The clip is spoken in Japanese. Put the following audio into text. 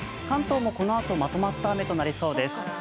関東もこのあとまとまった雨となりそうです。